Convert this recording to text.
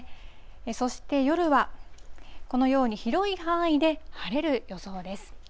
そして夜は、このように広い範囲で晴れる予想です。